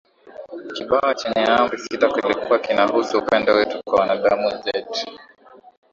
kibao chenye Amri sita kilikuwa kinahusu Upendo wetu kwa wanadamu wenzetu